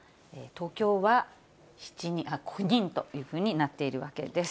東京は９人というふうになっているわけです。